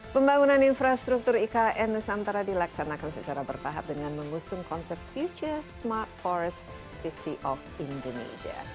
pembangunan infrastruktur ikn nusantara dilaksanakan secara bertahap dengan mengusung konsep future smart forest lima puluh indonesia